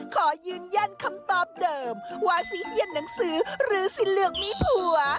ขอยืนยันคำตอบเดิมว่าสีเขียนหนังสือหรือสีเหลืองมีผัว